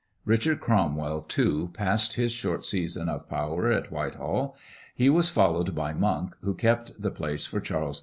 Richard Cromwell, too, passed his short season of power at Whitehall. He was followed by Monk, who kept the place for Charles II.